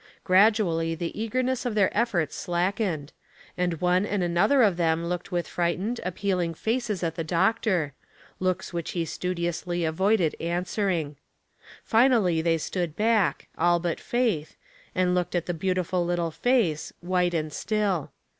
Gradually the eagerness of their efforts slackened, and one and another of them looked with frightened, appealing faces at the doctor, — looks which he studiously avoided answering. Finally they stood back, all but Faith, and looked at the beautiful little face, white and still.